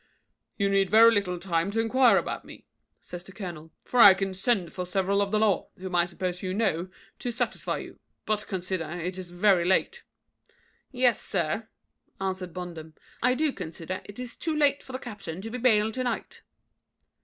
"You need very little time to enquire after me," says the colonel, "for I can send for several of the law, whom I suppose you know, to satisfy you; but consider, it is very late." "Yes, sir," answered Bondum, "I do consider it is too late for the captain to be bailed to night."